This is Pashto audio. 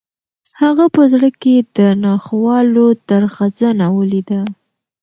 هغه په زړه کې د ناخوالو درغځنه ولیده.